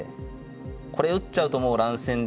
これ打っちゃうともう乱戦ですよ。